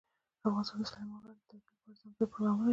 افغانستان د سلیمان غر د ترویج لپاره ځانګړي پروګرامونه لري.